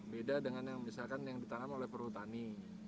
beda dengan yang misalkan yang ditanam oleh perhutani